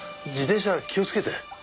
自転車気をつけて。